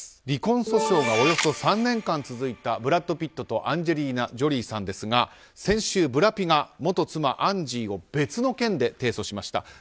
離婚訴訟がおよそ３年間続いたブラッド・ピットとアンジェリーナ・ジョリーさんですが先週ブラピが元妻アンジーを別の件で提訴しました。